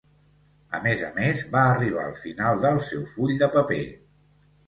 A més a més, va arribar al final del seu full de paper.